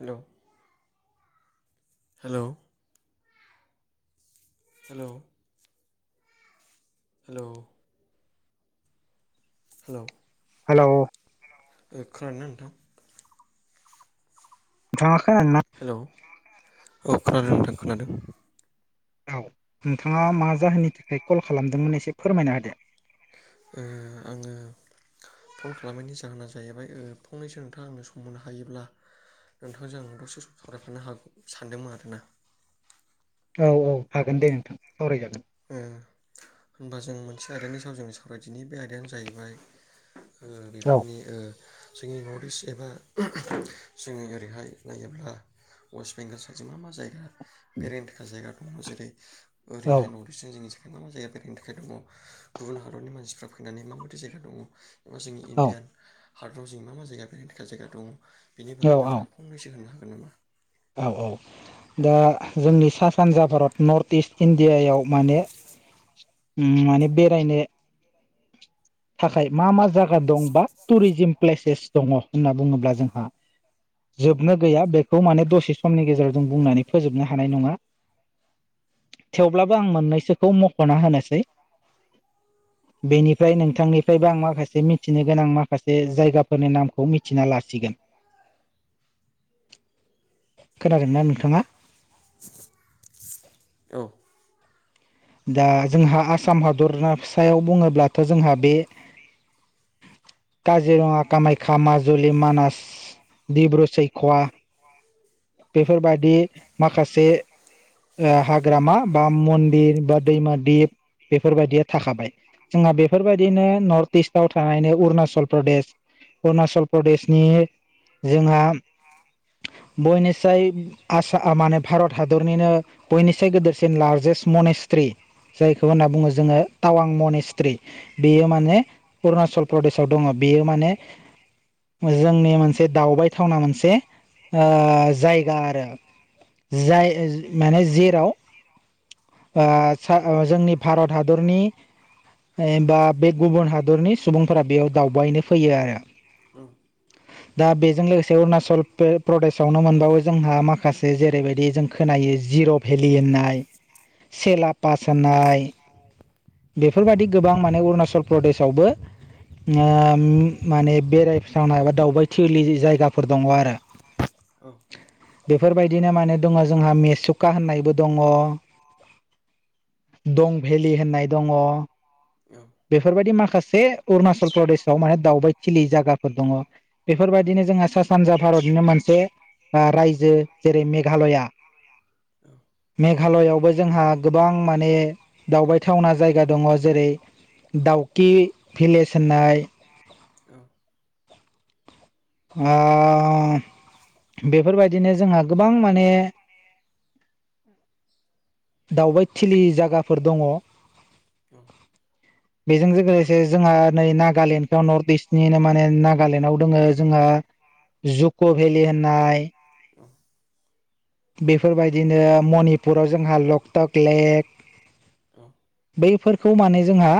Hello hello hello hello hello hello ओ खोनादोंना नोंथां? नोंथाङा खोनादोंना? हेलौ औ खोनादों नोंथां खोनादों औ नोंथांङा मा जाहोननि थाखाय कल खालामदोंमोन एसे फोरमायनो होदो ओ आङो फन खालामनायनि जाहोना जाहैबाय ओ फंनैसो नोंथांङा आंनो सम मोननो हायोब्ला नोंथांजों आं दसे सम सावरायफानो हागौ सानदोंमोन आरोना औ औ हागोन दे नोंथां सावरायजागोन। ओं होनबा जों मोनसे आयदानि सायावजोंनो सावरायदिनि बे आयदायानो जाहैबाय ओ औ बेफोरनि ओ जोंनि नर्थ इस्ट एबा जोङो ओरैहाय नायोब्ला वेस्ट बेंगल साइड जजों मा मा जायगा बेरायनो थाखाय जायगा दङ जेरै औ ओरैहाय न' [unintelligible] थाखाय मा मा जायगा बेरायनि थाखाय दङ गुबुन हारतनि मानसिफ्रा फैनानै माबायदि जायगा दङ एबा जोंनि इण्डियान हादराव जों मा मा जायगा बेनो थाखाय जायगा दङ बेनि औ बागै नोंथाङा फंनैसो होनो हागोन नामा? औ औ दा औ जोंनि सा सानजा भारत नर्थ इस्ट इण्डियायाव माने ओम माने बेरायनो थाखाय मा मा जायगा दं बा टुरिजिम प्लेसेस दङ होनना बुङोब्ला जोंहा औ जोबनो गैया बेखौ माने दसे समनि गेजेराव जों बुंनानै फोजोबनो हानाय नङा। थेवब्लाबो आं मोननैसोखौ मख'ना होनोसै बेनिफ्राय नोंथां थांनिफ्रायबो आं माखासे मिथिनो गोनां माखासे जायगाफोरनि नामखौ मिथिना लासिगोन खोनादों ना नोंथाङा औ दा जोंहा आसाम हादरसायाव बुङोब्लाथ' जोंहा बे काजिरङा कामाख्या माजुलि मानास डिब्रु सैखवा खौ बेफोरबायादि माखासे हाग्रामा बा मन्दिर बा दैमा दिप बेफोरबायदिया थाखाबाय जोंहा बेफोरबायदिनो नर्थ इस्टव थानायनो अरुणाचल प्रदेश अरुणाचल प्रदेशनि जोंहा बयनिस्राय आ माने भारत हादरनिनो बयनिसाय गदेरसिन लार्जेस्ट मनेस्ट्रि जायखौ होनना बुङो जोङो टावां मनेस्ट्रि। बेयो माने अरुणाचल प्रदेशाव दङ बेयो माने जोंनि मोनसे दावबायथावना मोनसे ओ जायगा आरो। जाय माने जेराव ओ जोंनि भारत हादरनि बा बे गुबुन हादरनि सुबुंफोरा बेयाव दावबायनो फैयो आरो। [inaudible] [unintelligible] दा बेजों लोगोसे अरुणाचल प्रदेशआवनो मोनबाबो जोंहा माखासे जेरैबायदि जों खोनायो जिर' भेलि होननाय सेलाफास होन्नाय बेफोरबायादि गोबां माने अरुणाचल प्रदेशआवबो ओ माने बेराय थावना बा दावबायथिलि जायगाफोर दङ आरो। [inaudible] बेफोरबायदिनो माने दङ जोंहा मेसुखा होननायबो दङ दं भेलि होननाय दङ। औ औ बेफोरबायदि माखासे अरुणाचल प्रदेशआव माने दावबायथिलि जायगाफोर दङ। बेफोरबायदिनो जोंहा सा सानजा भारतनिनो मोनसे रायजो जेरै मेघालया औ मेघालयआव बो जोंहा नंगौ औ गोबां माने दावबायथावना जायगा दङ जेरै दाउखि भिलेज होननाय अह बेफोरबायदिनो जोंहा गोबां माने दावबायथिलि जायगाफोर दङ [unintelligible] बेजों लोगोसे जोंहा नै नागालेण्डखौ नर्थ इस्टनिनो माने नागालेण्डआव दोङो जोंहा जुक' भेलि होननाय बेफोरबायदिनो मनिपुराव जोंहा लकटक लेक औ बैफोरखौ माने जोंहा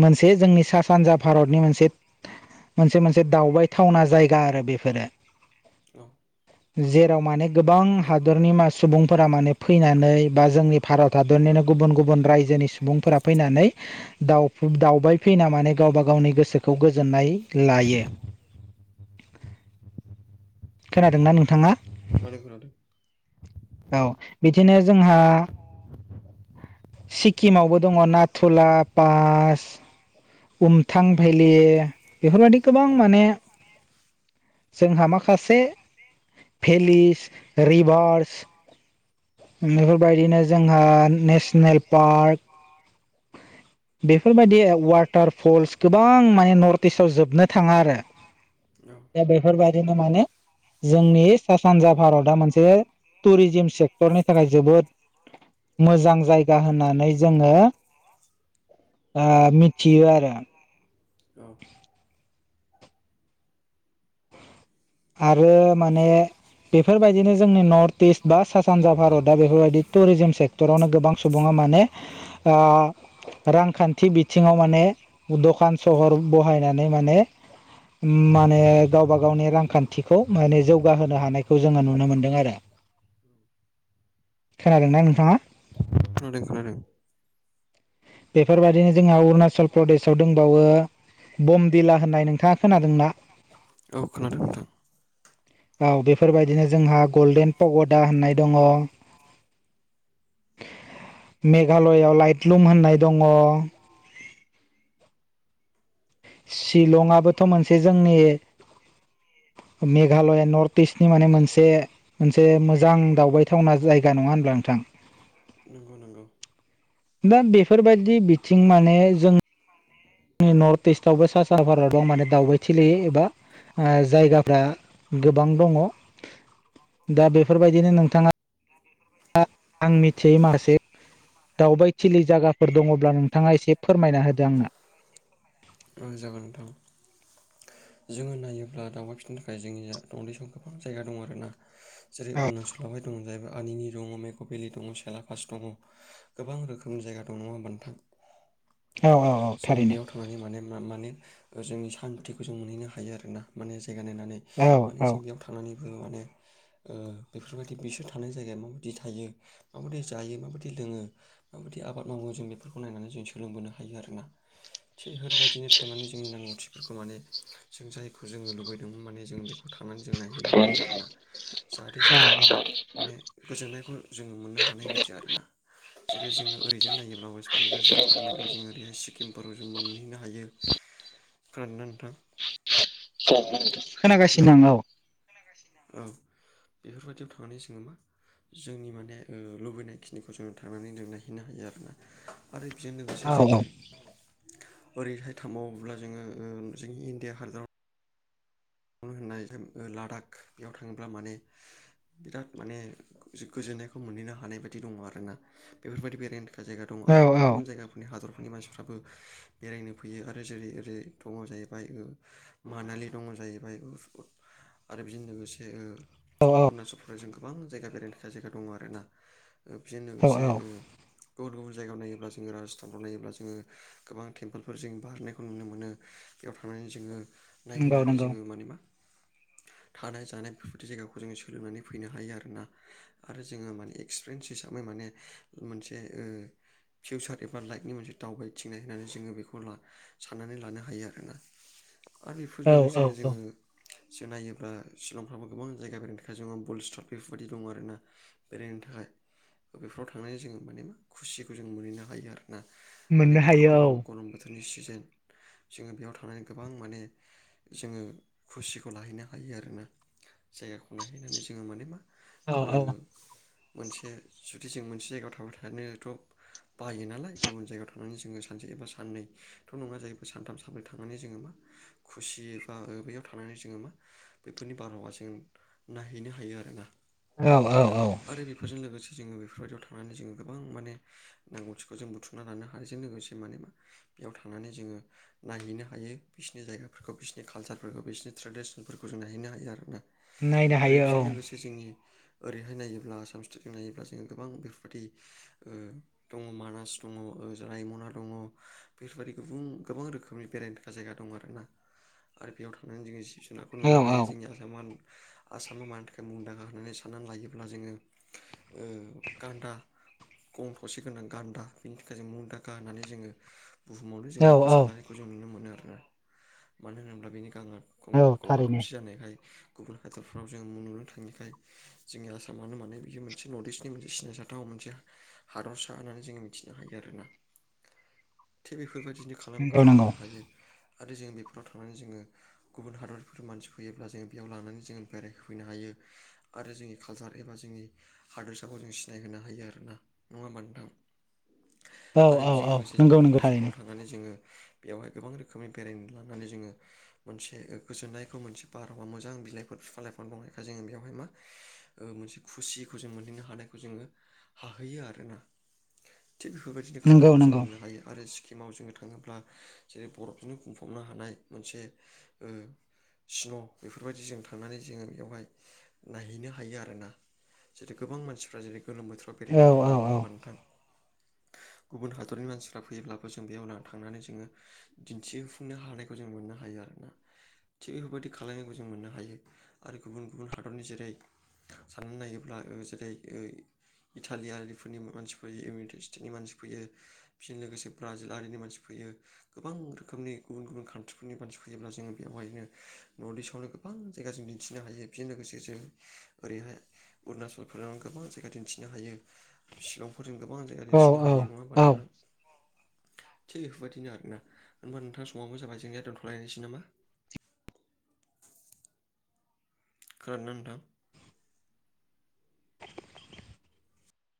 मोनसे जोंनि सा सानजा भारतनि मोनसे मोनसे मोनसे दावबायथावना जायगा आरो बेफोरो औ जे आव माने गोबां हादरनि मा सुबुंफोरा माने फैनानै बा जोंनि भारत हादरनिनो गुबुन गुबुन रायजोनि सुबुंफोरा फैनानै दाउ दावबाय फैना माने गावबा गावनि गोसोखौ गोजोननाय लायो। खोनादोंना नोंथाङा? [inaudible] औ बिदिनो जोंहा सिक्किमावबो दङ नाथुला पास उमथां भैलि बेफोरबायाददि गोबां औ माने जोंहा माखासे भेलिस रिभार्स बेफोरबायदिनो जोंहा नेसनेल पार्क [inaudible] बेफोर बायदि अ'वाटार फल्स गोबां माने नर दिसाव जोबनो थाङा आरो। दा बेफोर बादिनो माने जोंनि सा सानजा भारतआ मोनसे टुरिजिम सेक्टरनि थाखाय जोबोद मोजां जायगा होननानै जोङो आ मिथियो आरो। औ आरो माने बेफोरबायदिनो जोंनि नर्थ दिसा बा सा सानजा भारतआ बेफोरबायदि टुरिजिम सेक टरावनो गोबां सुबुङा माने आ रांखान्थि बिथिङाव माने दखान सहर बहायनानै माने माने गावबा गावनि रां खान्थिखौ माने जौगाहोनो हानायखौ जोङो नुनो मोनदों आरो। खोनादों ना नोंथाङा? खोनादों खोनादों। बेफोर बायदिनो जोंहा अरुणाचल प्रदेशाव दंबावो। बमदिला होननाय नोंथाङा खोनादों ना? औ खोनादों नोंथां। औ बेफोरबायदिनो जोंहा गल्डेन पग'दा होननाय दङ। मेघालयआव लाइटलुम होननाय दङ। शिलंआबोथ' मोनसे जोंनि मेघालया नर्थ दिसनि माने मोनसे मोनसे मोजां दावबायथावना जायगा नङा होनब्ला नोंथां। नंगौ नंगौ। दा बेफोरबायदि बिथिं माने जों माने नि नर्थ दिसथावबो सा सानजा भारताव माने दावबायथि एबा आं जायगाफ्रा गोबां दङ। दा बेफोरबायदिनो नोंथाङा आं आं मिथियै मासे दावबायथिलि जागाफोर दङब्ला नोंथाङा एसे फोरमायना होदो आंनो। ओं जागोन नोंथां। जोङो नायोब्ला दावउबाय फिननो थाखाय जोंनिया थ' उन्दै सम गोबां जायगा दं आरो ना। जेरै औ अरुणाचल बावहाय दंमोन जाहैबाय आलिनि दङ मेक' भेलि दङ, फिसाला सासे दङ। गोबां रोखोम जायगा दं नङा होमबा नोंथां। औ औ जोङो थारैनो बेयाव थांनानै माने माने ओ जोंनि सान्थिखौ जों मोनहैनो हायो आरो ना। माने जायगा नायनानै औ औ माने जों बेयाव थांनानैबो माने ओ बेफोरबायदि बिसोर थानाय जायगाया माबायदि थायो, माबायदि जायो, माबायदि लोङो? माबायदि आबाद मावो जों बेफोरखौ नायनानै जों सोलोंबोनो हायो आरो ना। थि होरबायदिनो थांनानै जोंनि नांगौथिफोरखौ माने जों जायखौ जोङो लुबैदोंमोन माने जों बेखौ ओ थांनानै जों नायहैनो हायो आरो ना। जाहाथे जोङो माने गोजोननायखौ जोङो मोननो हानाय बायदि आरो ना। जेरै जोङो ओरै जाय नायोब्ला अ'एस बेंगलजों जुदि थाङोब्ला जोङो ओरैहाय सिकिमफोराव जों मोनहैनो हायो। खोनादों ना नोथां? हेलौ खोनागासिनो दं, औ। औ बेफोरबायदियाव थांनानै सोङो मा जोंनि माने ओ लुबैनाय खिनिखौ जों थांनानै जों नायहैैनो हायो आरो ना। आरो बेजों लोगोसे औ जोङो। ओरैहाय थांबावोब्ला जोङो ओ जोंनि इण्डिया हादराव नों होननाय जों ओ लादाख बेयाव थाङोब्ला माने बिराद माने जो गोजोननायखौ मोनहैनो हानाय बायदि दङ आरोना। बेफोरबायदि बेरेन ओ जायगा दङ। औ आरो गुबुन गुबुन जायगा फोरनि हादरफोरनि मानसिफ्राबो बेरायनो फैयो आरो जेरै ओरै दङ जाहैबाय मानालि दङ जाहैबाय आरो बिजों लोगोसे ओ औ औ अरुणाचल प्रदेशजों गोबां जायगा बेरायनो थाखाय जायगा दङ आर ना बेजों औ लोगोसे औ ओ गुबुन गुबुन जायगायाव नायोब्ला जोङो राजस्थानफ्राव नायोब्ला जोङो गोबां टेम्पोलफोर जों बारनायखौ नुनो मोनो बेयाव थांनानै जोङो नंगौ नायहैनानै नंगौ जोङो माने मा थानाय जानाय बेफोरदि जायगाखौ जोङो सोलोंनानै फैनो हायो आरोना आरो जोङो माने एक्सपिरियेन्स हिसाबै माने मोनसे ओ फिउसार एबा लाइफनि मोनसे दावबायथिंनाय होननानै जोङो बेखौ ला साननानै लानो हायो आरोना आरो बेफोर औ जो औ औ ङो जो नायोब्ला सिलंफ्रावो गोबां जायगा बेरायनो थाखाय जोङो बुल स्टक बेफोरबायदि दङ आरो ना बेरायनो थाखाय बेफोराव थांनानै जोङो माने मा खुसिखौ जों मोनहैनो हायो आरो ना माने मोननो दाथ' हायो औ गोलोम गरम बो थोरनि सिजेन जोङो बेयाव थानानै गोबां माने जोङो खुसिखौ लाहैनो हायो आरोना जायगाखौ नायहैनानै जोङो माने मा औ ओ औ मोनसे जुदि जों मोनसे जायगायाव थाबाय थानायाथ' बायो नालाय गुबुन जायगायाव थां नानै जोङो सानसे एबा साननै थ' नङा जायो सानथाम सानब्रै थानानै जोङो मा खुसि बा बैयाव थानानै जोङो मा बेफोरनि बारहावा जों नायहैनो हायो आरोना औ औ औ आरो बेफोरजों लोगोसे जोङो बेफोरबायदियाव थांनानै जोङो गोबां माने नांगौथिखौ जों बुथुमना लानो हानायजों लोगोसे माने मा बेयाव थांनानै जोङो नायहैनो हायो बिसोरनि जायगाफोरखौ बिसोर नि कालसारफोरखौ बिसोरनि ट्रेडिसनफोरखौ जों नायहैनो हायो आरोना नायनो आरो हायो औ बेजों लोगोसे जोंनि ओरैहाय नायोब्ला आसाम सिटेटजों नायोब्ला जोङो गोबां बेफोरबायदि ओ दङ मानास दङ रायमना दङ बेफोरबायदि गुबुन गोबां रोखोमनि बेरायनो जा-जायगा दं आरोना आरो बेयाव थांनानै जोङो जिब जुनारखौ औ नुनो हायो जोंनि आ सामा आसामा मानि थाखाय मुंदांखा होननानै साननानै लायोब्ला जोङो ओ गान्दा गं थसे गोनां गान्दा बेनि थाखाय जों मुंदांखा होननानै जोङो बुहुमावनो औ जोङो औ गोसारनायखौ जों नुनो मोनो आरोना मानो होनोब्ला बेनि गाङा गं औ गङा थारैनो थसे जानायखाय गुबुन हादरफ्राव जों नुनो थाङिखाय जोंनि आसामानो माने बियो मोनसे नर्थ इस्टनि मोनसे सिनायजाथाव मोनसे हादरसा होननानै जों मिथिनो हायो आरोना। थिग बेफोरबायदिनो खालामनायखौ नंगौ जों नंगौ मोननो हायो आरो जों बेफोराव थांनानै जोङो गुबुन हादरफोरनि मानसि फैयोब्ला जोङो बेयाव लांनानै जोङो बेरायफैनो हायो आरो जोंनि कालसार एबा जोंनि हादोरसाखौ जों सिनायहोनो हायो आरोना नङा होमबा नोंथां? औ आरो औ बेजों औ लोगोसे जों नंगौ नंगौ अरुणाचलफ्राव थारैनो थां नानै जोङो बेवहाय गोबां रोखोमनि बेरायनो लानानै जोङो मोनसे गोजोननायखौ मोनसे बारहावा मोजां बिलाइफोर फिजां लाइफां दंनायखाय जोङो बेवहाय मा ओ मोनसे खुसिखौ जों मोनहैनो हानायखौ जोङो हाहैयो आरोना थिग बेफोरबायदिनो नंगौ खालामखौ जों नंगौ मोननो हायो आरो सि किमाव जोङो थाङोब्ला जेरै बरफजोंनो बुंफबनो हानाय मोनसे ओ स्न' बेफोरबायदि जों थांनानै जोङो बेवहाय नायहैनो हायो आरोना जेरै गोबां मानसिफ्रा जेरै गोलोम बोथोर आव औ बेरायनो औ थाङो नङा औ होमबा नोंथां? गुबुन हादरनि मानसिफ्रा फैयोब्लाबो जों बेयावना थांनानै जोङो दिन्थिफुंनो हानाय खौ जों मोननो हायो आरोना। थिग बेफोरबायदि खालामनायखौ जों मोननो हायो आरो गुबुन गुबुन हादरनि जेरै- साननानै नायोब्ला ओ जेरै यै इटालियालिफोरनि मानसि फैयो इउनाइटेड स्टेटनि मानसि फैयो फिन लोगोसे ब्राजिल आरिनि मानसि फैयो गोबां रोखोमनि गुबुन गुबुन कान ट्रिफोरनि मानसि फैयोब्ला जोङो बेवहायनो न'निसायावनो गोबां जायगा जों दिन्थिनो हायो फिन लोगोसे जों ओरैहाय अरुणाचलफोराव गोबां जायगा दिन्थिनो हायो शिलंफोरजों गोबां जायगा औ दिन्थिनो हायो नङा होमबा औ औ नोंथां। थिग बेफोरबायायदिनो आरोना होनबा नोंथां समाबो जाबाय जोंनिया दोनथ'लायनोसै नामा खोनादोंना नोंथां।